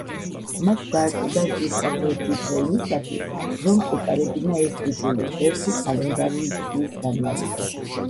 მას დააკლდა ზუსტად ერთი დღე იმისათვის, რომ ეტარებინა ეს ტიტული ერთი კალენდარული წლის განმავლობაში.